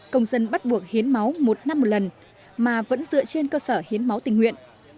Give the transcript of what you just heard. công dân bắt buộc hiến máu một năm một lần mà vẫn dựa trên cơ sở hiến máu tình nguyện